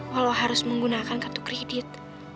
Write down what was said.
walau harus menggunakan kartu kredit